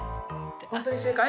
本当に正解？